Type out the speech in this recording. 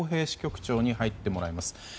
支局長に入ってもらいます。